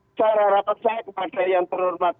secara rapat saya kepada yang terhormat